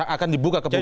akan dibuka ke publik